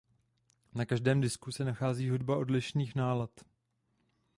Na každém disku se nachází hudba odlišných nálad.